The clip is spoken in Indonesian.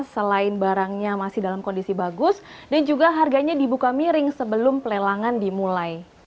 selain barangnya masih dalam kondisi bagus dan juga harganya dibuka miring sebelum pelelangan dimulai